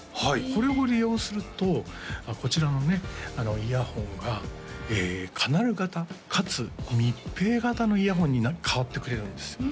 これを利用するとこちらのイヤホンがカナル型かつ密閉型のイヤホンに変わってくれるんですよ